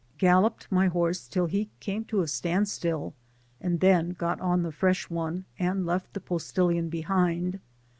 Galloped my horse till he came to a stand still, and then got on the fresh one, and left the postilion behind.